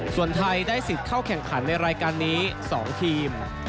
ส่วนไทยได้สิทธิ์เข้าแข่งขันในรายการนี้๒ทีม